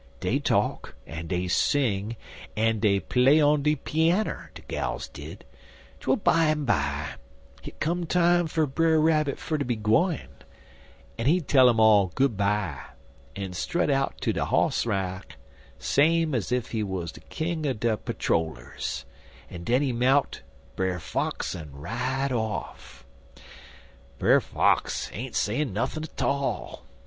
Dey talk, en dey sing, en dey play on de peanner, de gals did, twel bimeby hit come time fer Brer Rabbit fer to be gwine, en he tell um all good by, en strut out to de hoss rack same's ef he wuz de king er de patter rollers,*1 en den he mount Brer Fox en ride off. "Brer Fox ain't sayin' nuthin' 'tall.